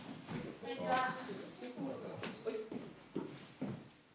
お願いします。